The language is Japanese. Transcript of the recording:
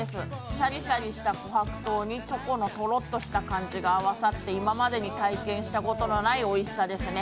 シャリシャリした琥珀糖にチョコのとろっとした感じが合わさって今までに体験したことのないおいしさですね。